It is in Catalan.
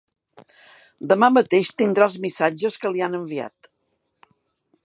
Demà mateix tindrà els missatges que li han enviat.